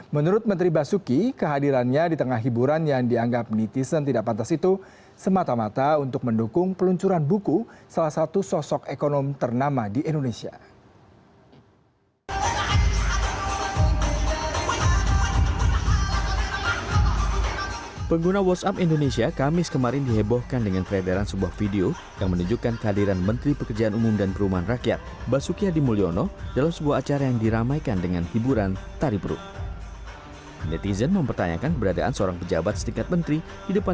menurut menteri basuki kehadirannya di tengah hiburan yang dianggap netizen tidak pantas itu semata mata untuk mendukung peluncuran buku salah satu sosok ekonomi ternama di indonesia